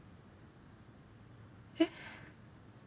えっ？